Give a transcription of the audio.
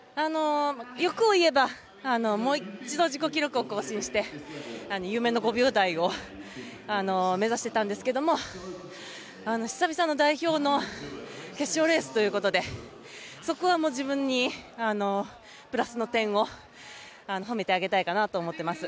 欲を言えばもう一度自己記録を更新して夢の５秒台を目指していたんですけど久々の代表の決勝レースということでそこは自分にプラスの点を褒めてあげたいなと思ってます。